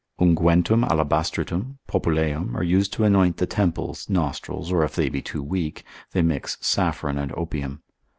Unguentum Alabastritum, populeum are used to anoint the temples, nostrils, or if they be too weak, they mix saffron and opium.